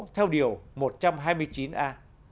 theo điều một trăm hai mươi chín a